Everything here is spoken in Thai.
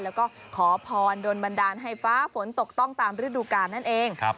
แล้วก็ขอพรโดนบันดาลให้ฟ้าฝนตกต้องตามฤดูกาลนั่นเอง